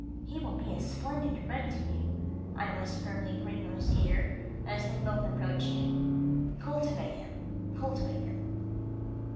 "He will be a splendid friend to you," I whispered in Gringo's ear, as they both approached me. "Cultivate him, cultivate him."